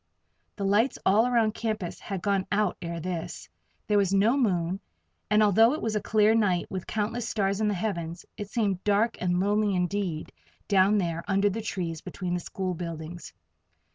The lights all around the campus had gone out ere this. There was no moon, and although it was a clear night, with countless stars in the heavens, it seemed dark and lonely indeed down there under the trees between the school buildings.